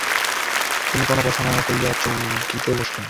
তিনি কোনো কথা না কহিয়া চৌকিতে বসিলেন।